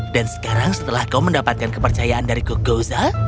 dan sekarang setelah kau mendapatkan kepercayaan dari gogoza